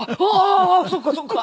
「ああーそっかそっか」